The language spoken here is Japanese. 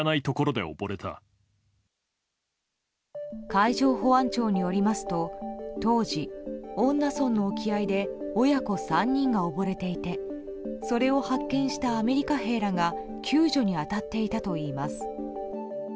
海上保安庁によりますと当時、恩納村の沖合で親子３人が溺れていてそれを発見したアメリカ兵らが救助に当たっていたといいます。